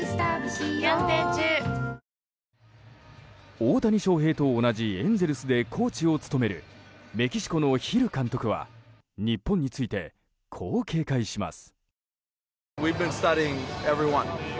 大谷翔平と同じエンゼルスでコーチを務めるメキシコのヒル監督は日本について、こう警戒します。